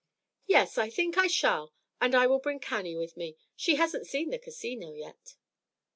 "Yes, I think I shall; and I will bring Cannie with me. She hasn't seen the Casino yet."